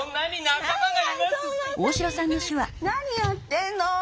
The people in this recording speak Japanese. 何やってんの！